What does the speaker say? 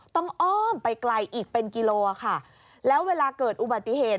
อ้อมไปไกลอีกเป็นกิโลค่ะแล้วเวลาเกิดอุบัติเหตุ